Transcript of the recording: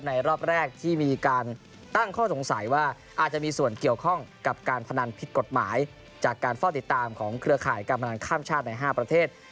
รอบแรกที่มีการตั้งข้อสงสัยว่าอาจจะมีส่วนเกี่ยวข้องกับการพนันผิดกฎหมายจากการเฝ้าติดตามของเครือข่ายการพนันข้ามชาติใน๕ประเทศ